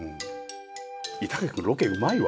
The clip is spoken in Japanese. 板垣君ロケうまいわ。